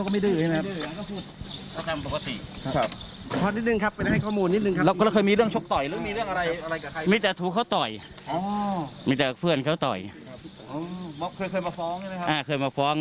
ไม่รู้สิฮะเรื่องนี้เนี่ย